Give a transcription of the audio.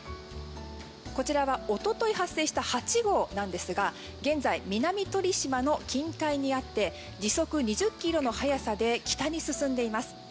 こちらは一昨日発生した８号なんですが現在、南鳥島の近海にあって時速２０キロの速さで北に進んでいます。